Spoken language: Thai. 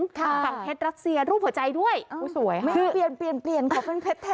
ค่ะปากเพชรักเซียรูปหัวใจด้วยอุ้ยสวยฮะเปลี่ยนเปลี่ยนเปลี่ยนขอเป็นเพชรแท้